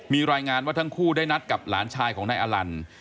มีรายงานว่าทั้งคู่ได้นัดกับหลานชายของนายอลัน